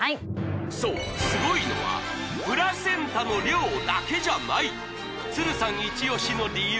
そうすごいのはプラセンタの量だけじゃないさんイチオシの理由